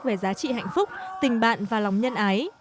về giá trị hạnh phúc tình bạn và lòng nhân ái